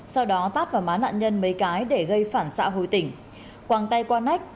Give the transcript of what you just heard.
sau đó tát vào má nạn nhân mấy cái để gây phản xạ hồi tỉnh quảng tay qua nách